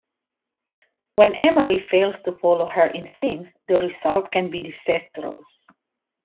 When Amerie fails to follow her instincts, the results can be disastrous.